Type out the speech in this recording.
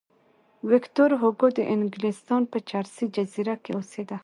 ویکتور هوګو د انګلستان په جرسي جزیره کې اوسېده.